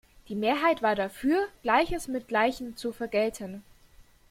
Die Mehrheit war dafür, Gleiches mit Gleichem zu vergelten.